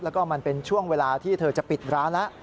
แล้วก็มันเป็นช่วงเวลาที่เธอจะปิดร้านแล้ว